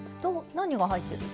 何が入ってる？